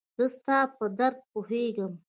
زه ستا په درد پوهيږم